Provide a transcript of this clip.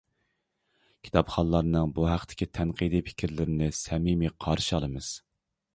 كىتابخانلارنىڭ بۇ ھەقتىكى تەنقىدىي پىكىرلىرىنى سەمىمىي قارشى ئالىمىز.